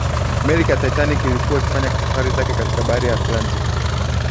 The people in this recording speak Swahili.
meli ya titanic ilikuwa ikifanya safari zake katika bahari ya atlantic